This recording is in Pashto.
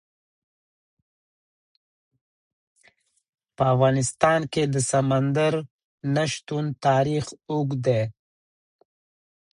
په افغانستان کې د سمندر نه شتون تاریخ اوږد دی.